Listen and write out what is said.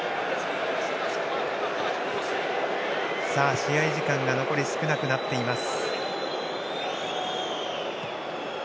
試合時間が残り少なくなっています。